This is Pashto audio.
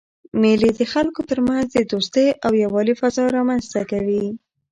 مېلې د خلکو ترمنځ د دوستۍ او یووالي فضا رامنځ ته کوي.